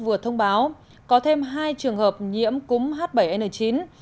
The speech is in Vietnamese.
vừa thông báo có thêm hai trường hợp nhiễm cúm h bảy n chín